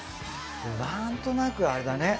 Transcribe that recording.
なんとなくあれだね。